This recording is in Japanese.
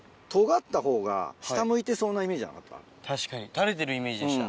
垂れてるイメージでした。